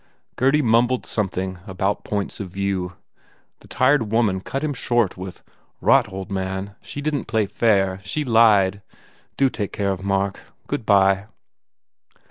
Gurdy mumbled something about points of view. The tired woman cut him short with, "Rot, old man! She didn t play fair. She lied. Do take care of Mark. Good bye."